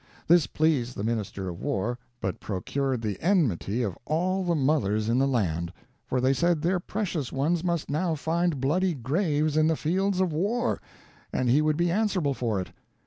This pleased the minister of war, but procured the enmity of all the mothers in the land; for they said their precious ones must now find bloody graves in the fields of war, and he would be answerable for it.